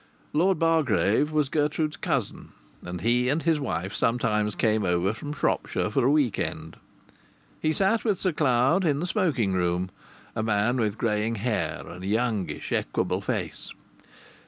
Lord Bargrave was Gertrude's cousin, and he and his wife sometimes came over from Shropshire for a week end. He sat with Sir Cloud in the smoking room; a man with greying hair and a youngish, equable face.